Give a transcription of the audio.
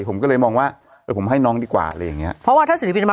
ผมก็เลยมองว่าเออผมให้น้องดีกว่าอะไรอย่างเงี้ยเพราะว่าถ้าศิลปินมา